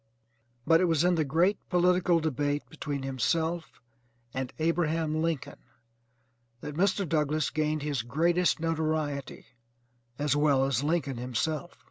But it was in the great political debate between himself and Abraham Lincoln that Mr. Douglass gained his greatest notoriety as well as Lincoln himself.